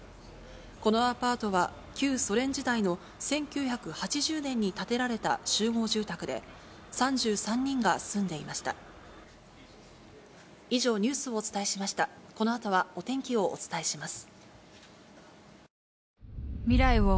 このアパートは、旧ソ連時代の１９８０年に建てられた集合住宅で、３３人が住んでお天気をお伝えします。